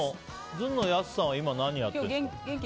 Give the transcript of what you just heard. ずんのやすさんは今、何やってるの？